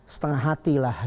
setengah hati lah